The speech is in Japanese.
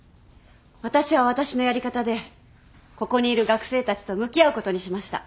私は私のやり方でここにいる学生たちと向き合うことにしました。